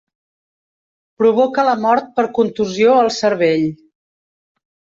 Provoca la mort per contusió al cervell.